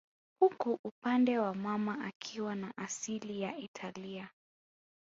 huku upande wa mama akiwa na asili ya Italia